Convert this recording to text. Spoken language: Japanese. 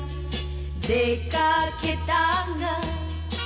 「出掛けたが」